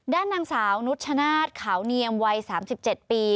ด้านนางสาวนุชชนะศขาวเนียมวัยสามสิบเจ็ดปี